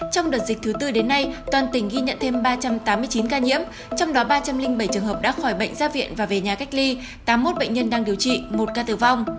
trong đợt dịch thứ tư đến nay toàn tỉnh ghi nhận thêm ba trăm tám mươi chín ca nhiễm trong đó ba trăm linh bảy trường hợp đã khỏi bệnh ra viện và về nhà cách ly tám mươi một bệnh nhân đang điều trị một ca tử vong